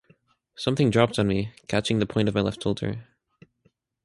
Something dropped on me, catching the point of my left shoulder.